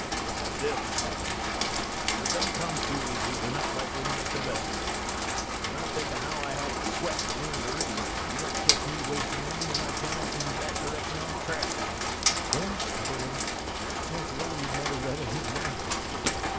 "That's it," said he. "When a thing comes too easy we're not likely to make the best of it. When I think of how I had to sweat to learn to read you don't ketch me wastin' any o' my talents in that direction on trash." "Then," I put in, "the chances are you've never read any of my books."